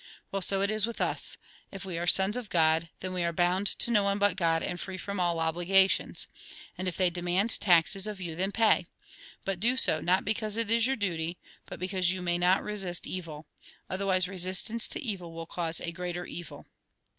Well, so it is with us. If we are sons of God, then we are bound to no one but God, and free from all obligations. And if they demand taxes of you, then pay. But do so, not because it is your duty, but because you may not resist evil. Otherwise resistance to evil will cause a greater evil."